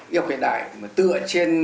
y học hiện đại tựa trên